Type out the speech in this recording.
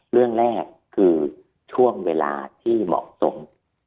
เรื่องแรกคือช่วงเวลาที่เหมาะสม